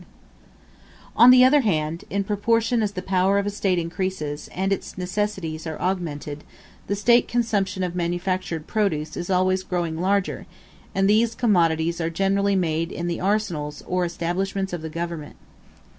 ] On the other hand, in proportion as the power of a State increases, and its necessities are augmented, the State consumption of manufactured produce is always growing larger, and these commodities are generally made in the arsenals or establishments of the government.